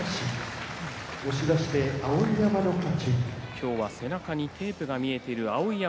今日は背中にテープが見えている碧山。